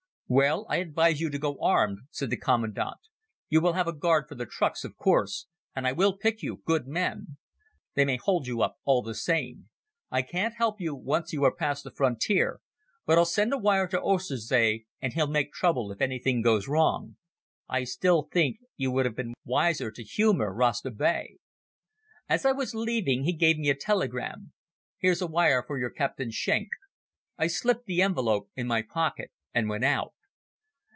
"Well, I advise you to go armed," said the commandant. "You will have a guard for the trucks, of course, and I will pick you good men. They may hold you up all the same. I can't help you once you are past the frontier, but I'll send a wire to Oesterzee and he'll make trouble if anything goes wrong. I still think you would have been wiser to humour Rasta Bey." As I was leaving he gave me a telegram. "Here's a wire for your Captain Schenk." I slipped the envelope in my pocket and went out.